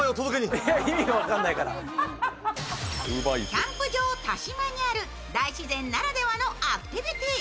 キャンプ場田島にある大自然ならではのアクティビティー。